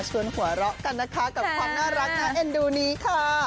หัวเราะกันนะคะกับความน่ารักน่าเอ็นดูนี้ค่ะ